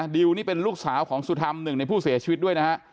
ดิวนี่เป็นลูกสาวของสุธรรมหนึ่งในผู้เสียชีวิตด้วยนะฮะ